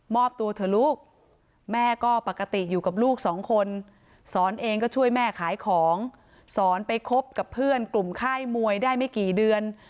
ตัวเถอะลูกแม่ก็ปกติอยู่กับลูกสองคนสอนเองก็ช่วยแม่ขายของสอนไปคบกับเพื่อนกลุ่มค่ายมวยได้ไม่กี่เดือน